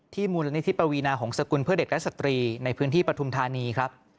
มูลนิธิปวีนาหงษกุลเพื่อเด็กและสตรีในพื้นที่ปฐุมธานีครับ